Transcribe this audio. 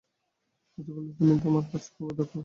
সত্যি বলতে তুমি তোমার কাজে খুবই দক্ষ।